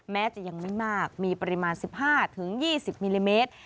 แม้จะยังไม่มากมีปริมาณสิบห้าถึงยี่สิบมิลลิเมตร